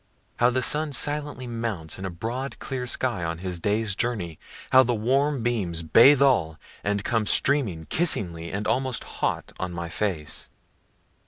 How the sun silently mounts in the broad clear sky, on his day's journey! How the warm beams bathe all, and come streaming kissingly and almost hot on my face.